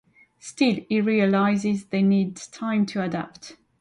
Still, he realizes they need time to adapt.